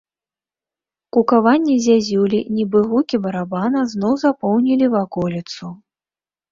Кукаванне зязюлі, нібы гукі барабана, зноў запоўнілі ваколіцу.